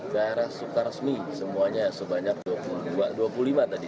gara sukar resmi semuanya sebanyak dua puluh lima tadi